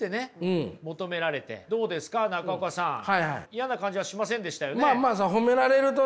嫌な感じはしませんでしたよね？